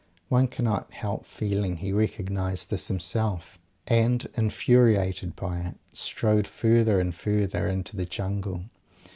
One cannot help feeling he recognised this himself and, infuriated by it, strode further and further into the Jungle.